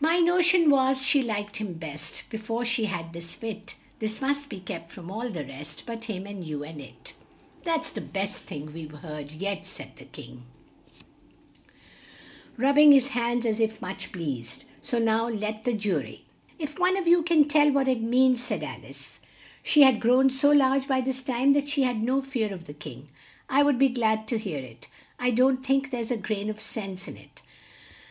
"My no tion was, she liked him best, (Be fore she had this fit) This must be kept from all the rest But him and you and it." "That's the best thing we've heard yet," said the King, rub bing his hands as if much pleased; "so now let the ju ry " "If one of you can tell what it means," said Al ice (she had grown so large by this time that she had no fear of the King) "I should be glad to hear it. I don't think there's a grain of sense in it."